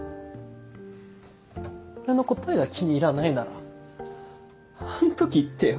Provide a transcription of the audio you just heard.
俺の答えが気に入らないならあの時言ってよ。